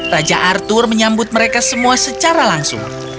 raja arthur menyambut mereka semua secara langsung